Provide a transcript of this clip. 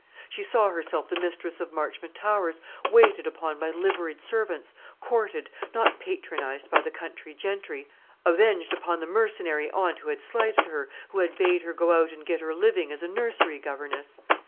She saw herself the mistress of Marchmont Towers, waited upon by liveried servants, courted, not patronised by the country gentry; avenged upon the mercenary aunt who had slighted her, who had bade her go out and get her living as a nursery governess.